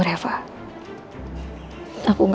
biasa ilham punpun